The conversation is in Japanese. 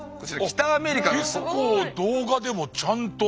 結構動画でもちゃんと。